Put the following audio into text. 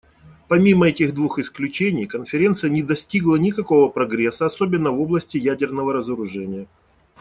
Помимо этих двух исключений, Конференция не достигла никакого прогресса, особенно в области ядерного разоружения.